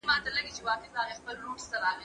زه له سهاره قلم استعمالوموم،